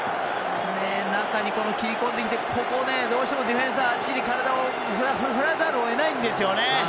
中に切り込んできてここ、どうしてもディフェンスはあっちに体を振らざるを得ないんですよね。